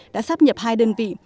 đã sắp nhập hai đơn vị